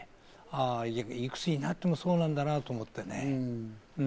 いくつになっても、そうなんだなと思ってね。